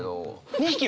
２匹！